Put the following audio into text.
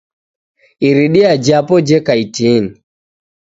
Iridia japo jeka itini